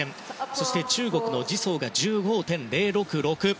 そして中国のジ・ソウが１５．０６６。